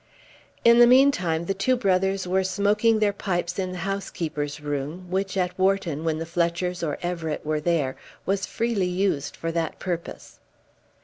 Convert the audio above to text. In the meantime the two brothers were smoking their pipes in the housekeeper's room, which, at Wharton, when the Fletchers or Everett were there, was freely used for that purpose.